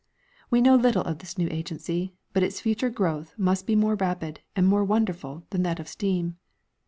We know little of this new agency, but its future growth must be more rapid and more wonderful than that of steam.